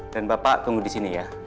dan bapak tunggu di sini ya